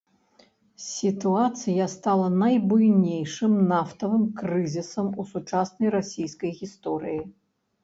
Сітуацыя стала найбуйнейшым нафтавым крызісам у сучаснай расійскай гісторыі.